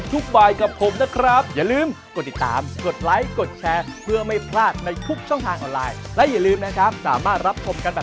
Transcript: สวัสดีครับ